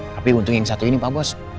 tapi untung yang satu ini pak bos